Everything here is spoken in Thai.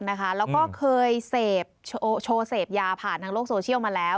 แล้วก็เคยเสพโชว์เสพยาผ่านทางโลกโซเชียลมาแล้ว